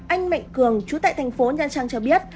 anh mạnh cường chú tại thành phố nha trang cho biết